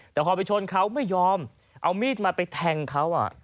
แต่พอไปชนเขาไม่ยอมเอามีดมาไปแทงเขา